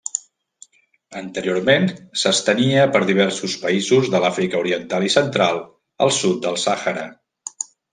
Anteriorment s'estenia per diversos països de l'Àfrica oriental i central al sud del Sàhara.